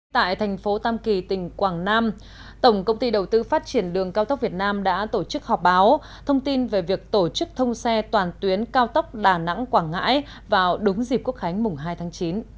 tại thành phố tam kỳ tỉnh quảng nam tổng công ty đầu tư phát triển đường cao tốc việt nam đã tổ chức họp báo thông tin về việc tổ chức thông xe toàn tuyến cao tốc đà nẵng quảng ngãi vào đúng dịp quốc khánh mùng hai tháng chín